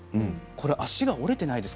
足が折れていないですか？